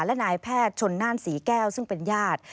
และนายแพทย์ชนน่านศรีแก้วซึ่งเป็นญาติ